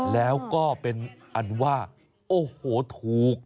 แล้วก็เป็นอันว่าโอ้โหถูก